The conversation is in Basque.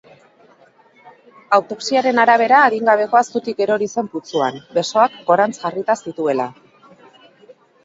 Autopsiaren arabera, adingabekoa zutik erori zen putzuan, besoak gorantz jarrita zituela.